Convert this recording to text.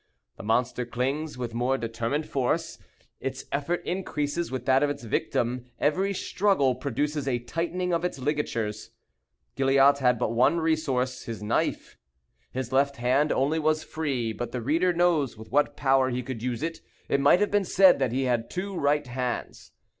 The monster clings with more determined force. Its effort increases with that of its victim; every struggle produces a tightening of its ligatures. Gilliatt had but one resource, his knife. His left hand only was free; but the reader knows with what power he could use it. It might have been said that he had two right hands.